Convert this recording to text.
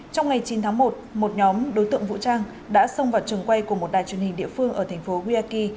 trong ngày chín tháng một một nhóm đối tượng vũ trang đã xông vào trường quay của một đài truyền hình địa phương ở thành phố guiaqui